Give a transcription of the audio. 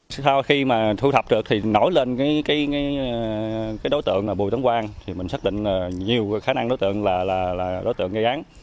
sau khi mà thu thập được thì nổi lên cái đối tượng là bùi tấn quang thì mình xác định là nhiều khả năng đối tượng là đối tượng gây án